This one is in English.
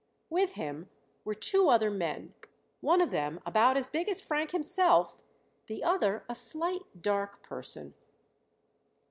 With him were two other men, one of them about as big as Frank himself, the other a slight, dark person.